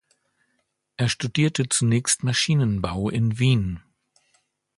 Er studierte zunächst Maschinenbau in Wien.